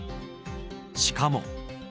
しかも。